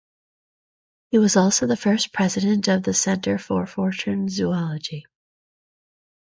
He was also the first president of the Centre for Fortean Zoology.